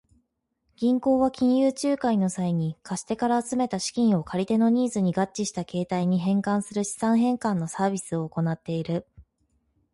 銀行は金融仲介の際に、貸し手から集めた資金を借り手のニーズに合致した形態に変換する資産変換のサービスを行っている。